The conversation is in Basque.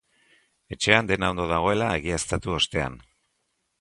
Etxean dena ondo dagoela egiaztatu ostean.